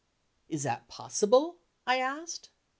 "Is that possible?" I asked.